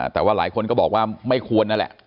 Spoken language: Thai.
แต่ว่าหลายคนก็บอกว่าไม่ควรนั่นแหละ